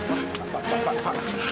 pak pak pak pak